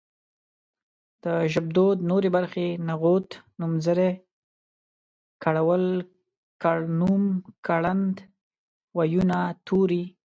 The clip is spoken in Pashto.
د ژبدود نورې برخې نغوت نومځری کړول کړنوم کړند وييونه توري